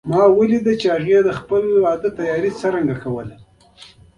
ما ولیدل چې هغې د خپل واده جشن څنګه ونیو